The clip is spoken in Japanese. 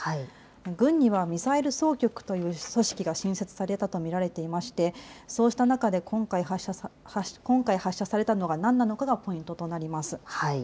軍にはミサイル総局という組織が新設されたと見られていまして、そうした中で今回発射されたのが何なのかがポイントとなります。